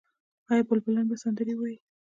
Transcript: آیا بلبلان به سندرې ووايي؟